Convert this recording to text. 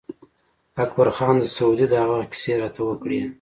اکبر خان د سعودي د هغه وخت کیسې راته وکړې.